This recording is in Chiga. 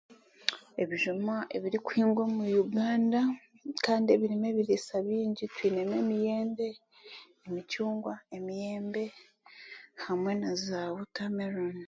Ebijuma ebirikuhingwa omu Uganda kandi ebiine n'ebiriisa bingi twine emiyembe, emicungwa, emiyembe hamwe n'aza wota meroni.